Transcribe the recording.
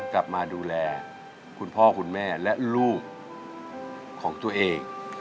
กลับมาดูแลคุณพ่อคุณแม่และลูกของตัวเอง